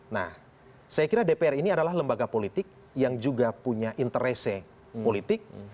nah saya kira dpr ini adalah lembaga politik yang juga punya interest politik